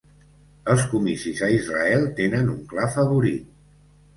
Els comicis a Israel tenen un clar favorit